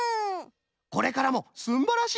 これからもすんばらしい